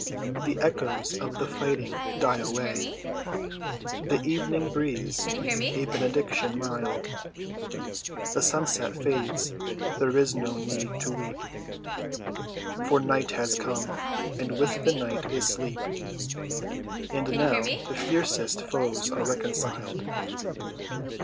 The echoes of the fighting die away. The evening breathes a benediction mild. The sunset fades. There is no need to weep, For night has come, and with the night is sleep, And now the fiercest foes are reconciled.